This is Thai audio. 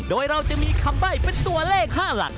โดยเราจะมีคำใบ้เป็นตัวเลข๕หลัก